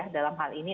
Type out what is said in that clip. dalam hal ini